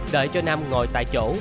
đợi cho nam ngồi tại chỗ